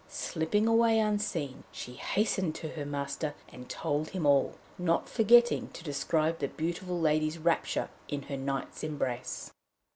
Slipping away unseen, she hastened to her master and told him all, not forgetting to describe the beautiful lady's rapture in her knight's embrace.